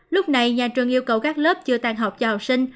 lúc này nhà trường yêu cầu các lớp chưa tàn học cho học sinh